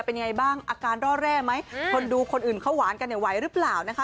เป็นยังไงบ้างอาการร่อแร่ไหมคนดูคนอื่นเขาหวานกันเนี่ยไหวหรือเปล่านะคะ